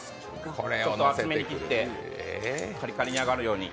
これを厚めに切ってカリカリに揚がるように。